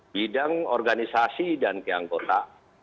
bidang organisasi dan keanggota